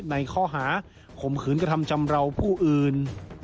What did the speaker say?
ในข้อหาข่มขืนกระทำชำราวผู้อื่น